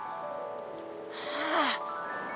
gak ada kabar kayak gini